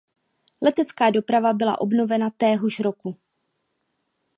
Letecká doprava byla obnovena téhož roku.